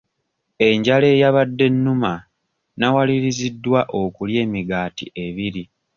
Enjala eyabadde ennuma nawaliriziddwa okulya emigaati ebiri.